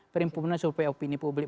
perimpunan supaya opini publik